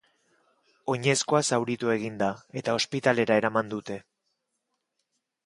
Oinezkoa zauritu egin da, eta ospitalera eraman dute.